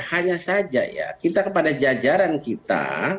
hanya saja ya kita kepada jajaran kita